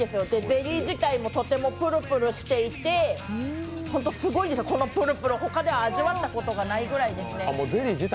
ゼリー自体もとてもプルプルしていて、このプルプル、他では味わったことがないぐらいです